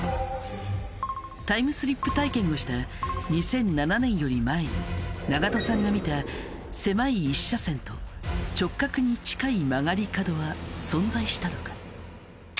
タイムスリップ体験をした２００７年より前に長門さんが見た狭い１車線と直角に近い曲がり角は存在したのか？